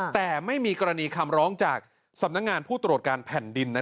แต่ไม่มีกรณีคำร้องจากสำนักงานผู้ตรวจการแผ่นดิน